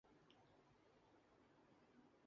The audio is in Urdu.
اس عمل سے انبیا مستثنی ہیں۔